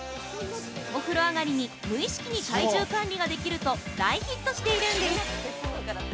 お風呂上がりに無意識に体重管理ができると大ヒットしているんです！